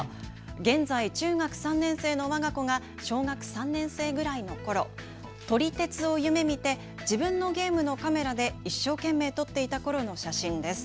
現在、中学３年生のわが子が小学３年生ぐらいのころ、撮り鉄を夢みて自分のゲームのカメラで一生懸命撮っていたころの写真です。